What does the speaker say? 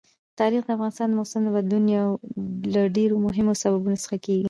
تاریخ د افغانستان د موسم د بدلون یو له ډېرو مهمو سببونو څخه کېږي.